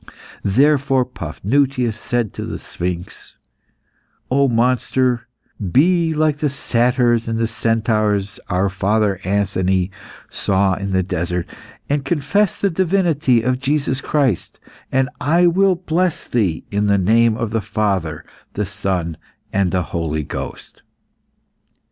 Therefore Paphnutius said to the sphinx "O monster, be like the satyrs and centaurs our father Anthony saw in the desert, and confess the divinity of Jesus Christ, and I will bless thee in the name of the Father, the Son, and the Holy Ghost."